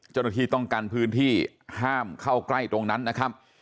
เจ้าหน้าที่ต้องกันพื้นที่ห้ามเข้าใกล้ตรงนั้นนะครับ